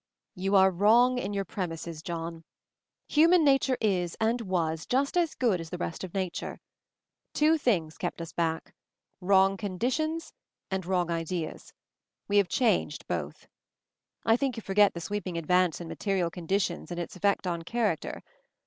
"You are wrong in your premises, John. Human nature is, and was, just as good as the rest of nature. Two things kept us back — wrong conditions, and wrong ideas; we y ; have changed both. I think you forget the ' sweeping advance in material conditions and its effect on character.